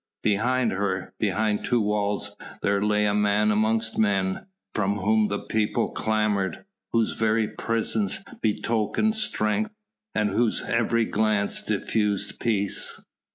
Behind her, beyond two walls there lay a man amongst men, for whom the people clamoured, whose very presence betokened strength and whose every glance diffused peace.